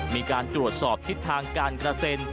มีการตรวจสอบทิศทางการกระเซ็น